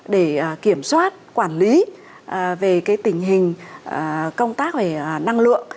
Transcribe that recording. để kiểm soát quản lý về tình hình công tác về năng lượng